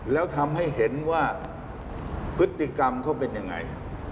แล้วทำให้เห็นว่าพฤติกรรมเขาเป็นยังไง